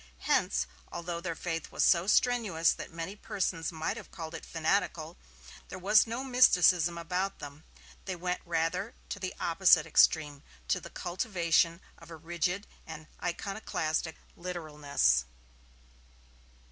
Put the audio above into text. Hence, although their faith was so strenuous that many persons might have called it fanatical, there was no mysticism about them. They went rather to the opposite extreme, to the cultivation of a rigid and iconoclastic literalness.